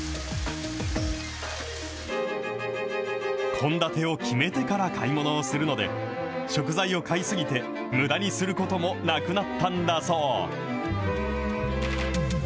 献立を決めてから買い物をするので、食材を買い過ぎて、むだにすることもなくなったんだそう。